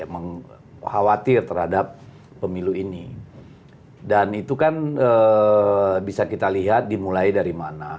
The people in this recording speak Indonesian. mengkhawatir terhadap pemilu ini dan itu kan bisa kita lihat dimulai dari mana